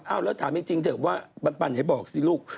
เอาแล้วถามจริงเถอะว่าปันไหนบอกสิลูก